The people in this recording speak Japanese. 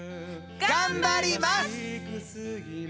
頑張ります！